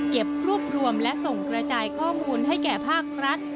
รวบรวมและส่งกระจายข้อมูลให้แก่ภาครัฐ